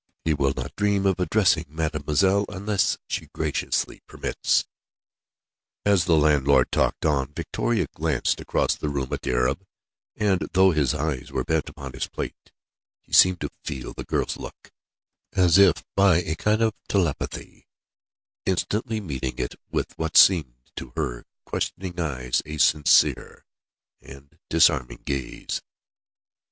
He will not dream of addressing Mademoiselle, unless she graciously permits." As the landlord talked on, Victoria glanced across the room at the Arab, and though his eyes were bent upon his plate, he seemed to feel the girl's look, as if by a kind of telepathy, instantly meeting it with what seemed to her questioning eyes a sincere and disarming gaze.